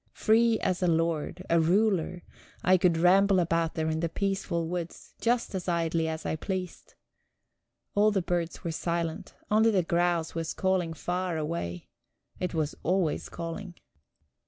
Free as a lord, a ruler, I could ramble about there in the peaceful woods, just as idly as I pleased. All the birds were silent; only the grouse was calling far away it was always calling.